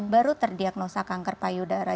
baru terdiagnosa kanker payudara